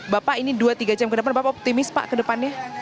bapak ini dua tiga jam ke depan bapak optimis pak ke depannya